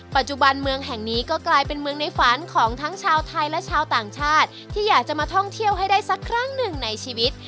ปัจจุบันเมืองแห่งนี้ก็กลายเป็นเมืองในฝันของทั้งชาวไทยและชาวต่างชาติที่อยากจะมาท่องเที่ยวให้ได้สักครั้งหนึ่งในชีวิต